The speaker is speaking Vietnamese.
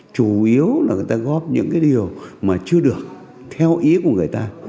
chủ yếu là người ta góp những cái điều mà chưa được theo ý của người ta